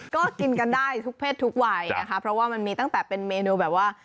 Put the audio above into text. ก็กินกันได้ทุกเพศทุกวัยนะคะเพราะว่ามันมีตั้งแต่เป็นเมนูแบบว่า